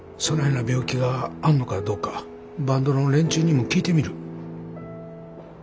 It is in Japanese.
そないな病気があんのかどうかバンドの連中にも聞いてみる。